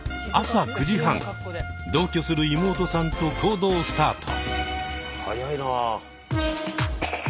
同居する妹さんと行動スタート。